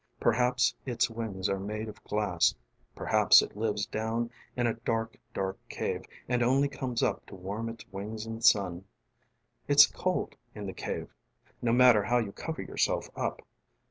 Perhaps its wings are made of glassŌĆö perhaps it lives down in a dark, dark cave and only comes up to warm its wings in the sunŌĆ". It's cold in the caveŌĆö no matter how you cover yourself up.